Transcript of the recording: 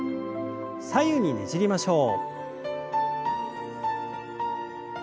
左右にねじりましょう。